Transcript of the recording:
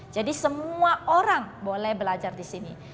jadi semua orang boleh belajar di sini